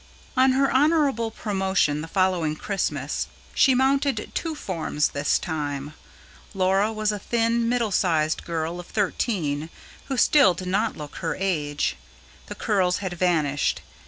XIII. ON her honourable promotion the following Christmas she mounted two forms this time Laura was a thin, middle sized girl of thirteen, who still did not look her age. The curls had vanished.